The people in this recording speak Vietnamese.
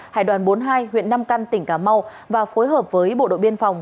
hải đoàn bốn mươi hai huyện nam căn tỉnh cà mau và phối hợp với bộ đội biên phòng